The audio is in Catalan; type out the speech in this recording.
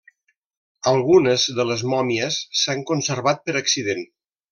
Algunes de les mòmies s'han conservat per accident.